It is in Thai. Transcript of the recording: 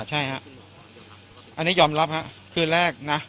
อ่าใช่ครับอันนี้ยอมรับครับคืนแรกนะ